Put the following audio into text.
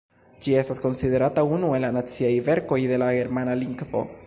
Ĝi estas konsiderata unu el la naciaj verkoj de la germana lingvo.